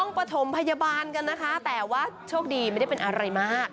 ประถมพยาบาลกันนะคะแต่ว่าโชคดีไม่ได้เป็นอะไรมาก